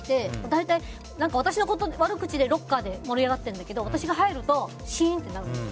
大体、私の悪口でロッカーで盛り上がってるんだけど私が入るとしーんってなるんです。